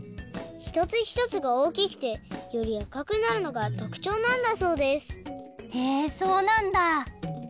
ひとつひとつがおおきくてよりあかくなるのがとくちょうなんだそうですへえそうなんだ